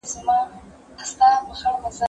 زه اوس د سبا لپاره د سوالونو جواب ورکوم!؟